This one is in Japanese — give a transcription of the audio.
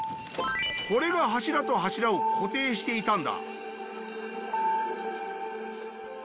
これが柱と柱を固定していたんだ